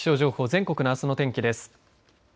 全国のあすの天気です。